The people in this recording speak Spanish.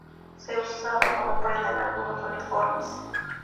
Se usaba como prenda en algunos uniformes.